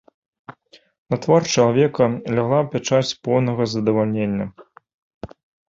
На твар чалавека лягла пячаць поўнага задавалення.